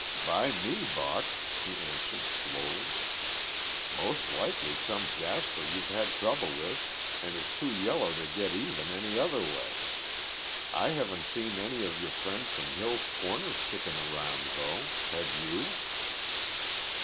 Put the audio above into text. "By me, Buck," he answered slowly. "Most likely some jasper you've had trouble with an' is too yeller to get even any other way. I haven't seen any of your friends from Hill's Corners stickin' around though. Have you?"